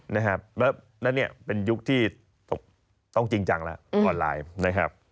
นะครับแล้วนั่นเป็นยุคที่ต้องจริงจังแล้วออนไลน์